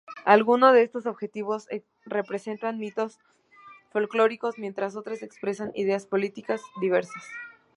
Algunos de estos objetos representan mitos folclóricos mientras otras expresan ideas políticas diversas.